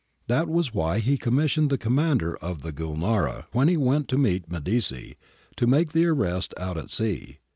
That was why he commissioned the commander of the Gnhiara, when he went to meet Medici, to make the arrest out at sea.